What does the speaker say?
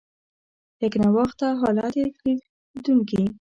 یکنواخته حالت یې لیدونکي.